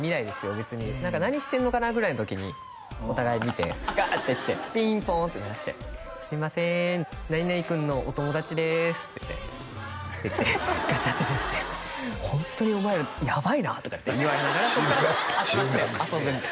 別に何か何してんのかな？ぐらいの時にお互い見てガーッて行ってピンポーンって鳴らして「すいませんなになに君のお友達です」って言ってって言ってガチャッて出てきて「ホントにお前らやばいな」とかって言われながらそっから集まって遊ぶんです